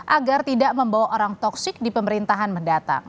agar tidak membawa orang toksik di pemerintahan mendatang